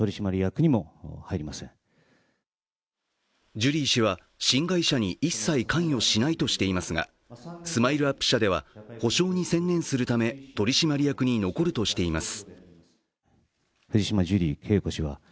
ジュリー氏は新会社に一切関与しないとしていますが、ＳＭＩＬＥ−ＵＰ．社では、補償に専念するため取締役に残るとしています。